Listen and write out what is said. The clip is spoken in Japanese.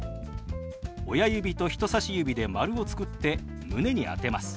親指と人さし指で丸を作って胸に当てます。